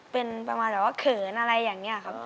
เป็นประมาณแบบว่าเขินอะไรอย่างนี้ครับ